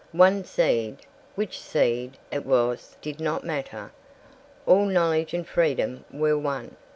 One seed. Which seed it was did not matter. All knowledge and freedom were one.